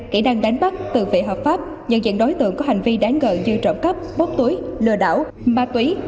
kỹ năng đánh bắt tự vệ hợp pháp nhận diện đối tượng có hành vi đáng ngờ như trộm cắp bóp túi lừa đảo ma túy